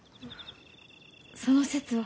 その節は。